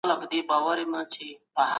خلک یې په درملنه باور لري.